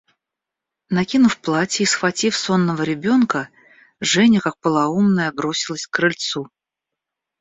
Накинув платье и схватив сонного ребенка, Женя, как полоумная, бросилась к крыльцу.